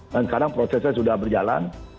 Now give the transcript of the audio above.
dan sekarang prosesnya sudah berjalan